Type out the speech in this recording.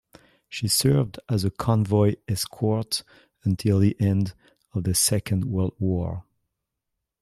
She served as a convoy escort until the end of the Second World War.